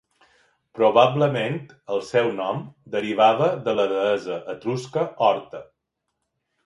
Probablement el seu nom derivava de la deessa etrusca Horta.